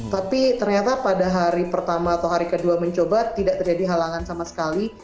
tapi ternyata pada hari pertama atau hari kedua mencoba tidak terjadi halangan sama sekali